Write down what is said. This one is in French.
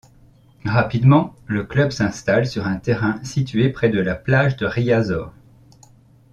Rapidement, le club s'installe sur un terrain situé près de la plage de Riazor.